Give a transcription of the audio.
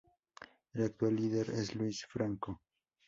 El actual líder es Luís Franco.